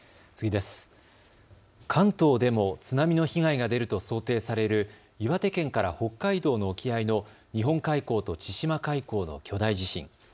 関東でも津波の被害が出ると想定される岩手県から北海道の沖合の日本海溝と千島海溝の巨大地震。